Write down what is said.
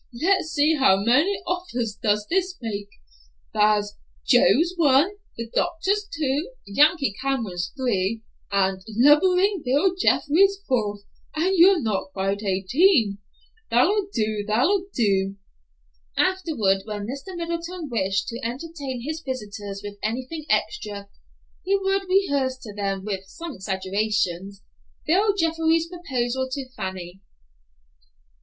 "Let's see, how many offers does this make? Thar's Joe's one, the doctor's two; Yankee Carmeron's three; and lubberin' Bill Jeffrey's four, and you not quite eighteen. That'll do; that'll do!" Afterward, when Mr. Middleton wished to entertain his visitors with anything extra, he would rehearse to them, with some exaggerations, Bill Jeffrey's proposal to Fanny.